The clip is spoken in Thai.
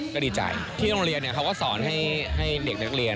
ก็ดีใจที่โรงเรียนเขาก็สอนให้เด็กนักเรียน